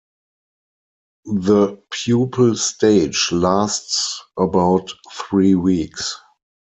The pupal stage lasts about three weeks.